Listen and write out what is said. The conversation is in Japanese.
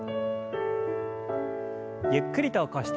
ゆっくりと起こして。